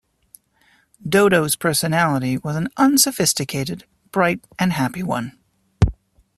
Dodo's personality was an unsophisticated, bright and happy one.